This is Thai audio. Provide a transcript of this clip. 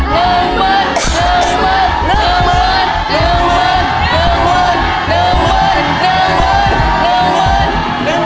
หนึ่ง